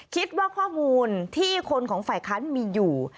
คิดว่าข้อมูลที่คนของฝ่ายค้านมีอยู่